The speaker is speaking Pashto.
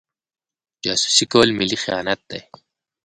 جاسوسي کول ملي خیانت دی.